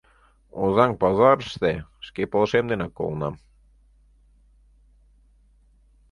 Озаҥ пазарыште шке пылышем денак колынам.